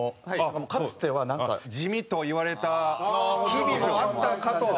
かつては地味と言われた日々もあったかと。